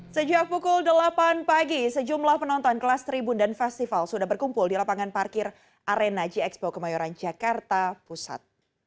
sejak pukul delapan pagi sejumlah penonton kelas tribun dan festival sudah berkumpul di lapangan parkir arena g expo kemayoran jakarta pusat